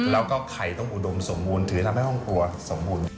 แล้วก็ไข่ต้องอุดมสมบูรณ์ถือทำให้ห้องครัวสมบูรณ์